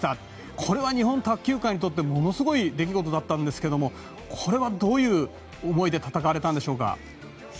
これは日本卓球界にとってもものすごいことだったんですけどこれはどういう思いで戦われたんでしょうか。